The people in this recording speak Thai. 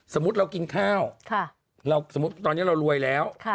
สมมุติเรากินข้าวสมมุติตอนนี้เรารวยแล้ว